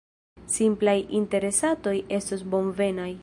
Simplaj interesatoj estos bonvenaj.